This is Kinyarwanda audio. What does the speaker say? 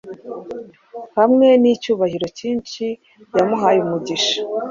hamwe nicyubahiro cyishi yamuhaye umugisha